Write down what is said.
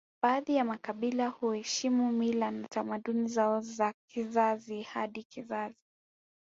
Baadhi ya makabila huheshimu mila na tamaduni zao za kizazi hadi kizazi